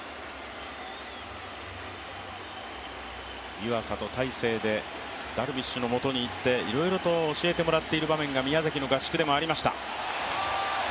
湯浅と大勢でダルビッシュのもとへ行っていろいろと教えてもらっている場面が宮崎の合宿でもありました。